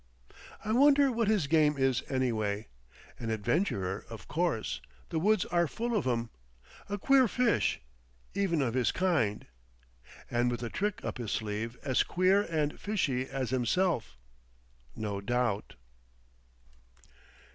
"I wonder what his game is, anyway. An adventurer, of course; the woods are full of 'em. A queer fish, even of his kind! And with a trick up his sleeve as queer and fishy as himself, no doubt!"